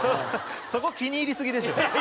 そこ気に入りすぎでしょ。